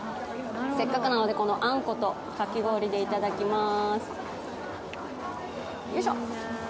せっかくなので、このあんことかき氷でいただきます。